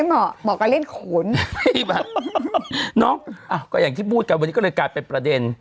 เหมาะก็เล่นขนน้องก็อย่างที่พูดกันวันนี้ก็เลยกลายเป็นประเด็น